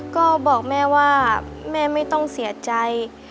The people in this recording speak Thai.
ก็บอกแม่ว่าแม่ไม่ต้องเสียใจ